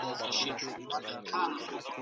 احترام د سولې بنسټ دی.